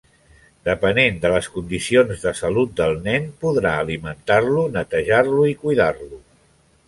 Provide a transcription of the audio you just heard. Depenent de les condicions de salut del nen podrà alimentar-lo, netejar-lo i cuidar-lo.